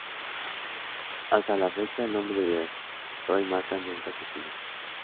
Hasta la fecha, el nombre de Roy Mata nunca se utiliza.